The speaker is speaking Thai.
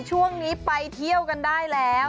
ช่วงนี้ไปเที่ยวกันได้แล้ว